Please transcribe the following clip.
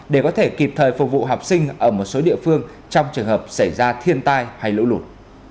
để có thể kịp thời phục vụ học sinh ở một số địa phương trong trường hợp xảy ra thiên tai hay lũ lụt